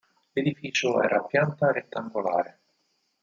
L'edificio era a pianta rettangolare.